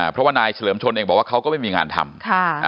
เพราะว่านายเฉลิมชนเองบอกว่าเขาก็ไม่มีงานทำ